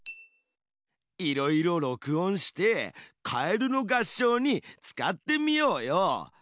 いろいろ録音して「かえるの合唱」に使ってみようよ。